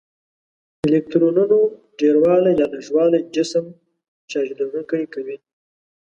الکترونونو ډیروالی یا لږوالی جسم چارج لرونکی کوي.